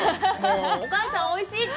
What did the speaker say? お母さん、おいしいって！